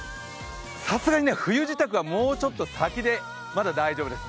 さすがにね、冬支度はもうちょっと先で大丈夫です。